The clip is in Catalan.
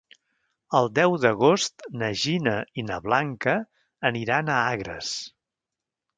El deu d'agost na Gina i na Blanca aniran a Agres.